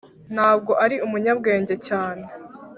ntabwo ari umunyabwenge cyane.